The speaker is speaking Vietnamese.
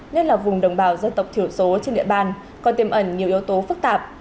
nhất là vùng đồng bào dân tộc thiểu số trên địa bàn còn tiêm ẩn nhiều yếu tố phức tạp